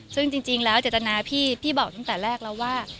ซึ่งจริงแล้วเจตนาพี่พี่บอกตั้งแต่แรกแล้วว่า